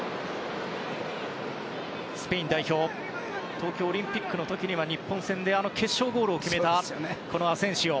東京オリンピックの時には日本戦で決勝ゴールを決めたアセンシオ。